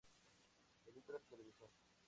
Películas y televisión